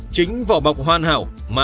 chính vỏ bọc hoàn hảo